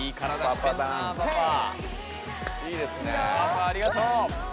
パパありがとう！